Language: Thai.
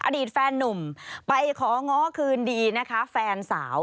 อดีตแฟนนุ่มไปของ้อคืนดีนะคะแฟนสาว